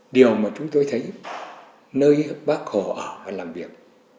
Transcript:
điều mà chúng tôi thấy nơi bác hồ ở và làm việc